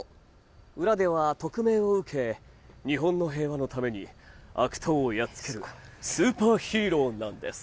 裏では特命を受け日本の平和のために悪党をやっつけるスーパーヒーローなんです。